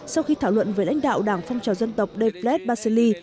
sau khi thảo luận với lãnh đạo đảng phong trào dân tộc depplet basili